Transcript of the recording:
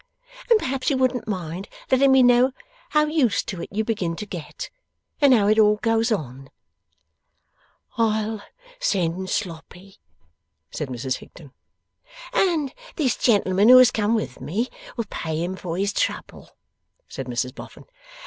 And perhaps you wouldn't mind letting me know how used to it you begin to get, and how it all goes on?' 'I'll send Sloppy,' said Mrs Higden. 'And this gentleman who has come with me will pay him for his trouble,' said Mrs Boffin.